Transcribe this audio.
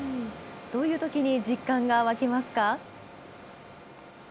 どういうときに実感が湧きますか？